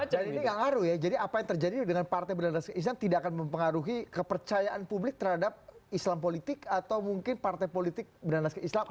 jadi ini gak ngaruh ya jadi apa yang terjadi dengan partai berlandaskan islam tidak akan mempengaruhi kepercayaan publik terhadap islam politik atau mungkin partai politik berlandaskan islam apapun